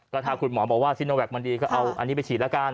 ก็ถ้าคุณหมอบอกว่าซิโนแวคมันดีก็เอาอันนี้ไปฉีดละกัน